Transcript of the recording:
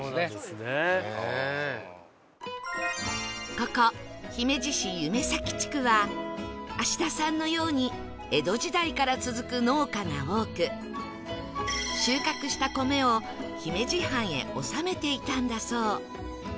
ここ姫路市夢前地区は芦田さんのように江戸時代から続く農家が多く収穫した米を姫路藩へ納めていたんだそう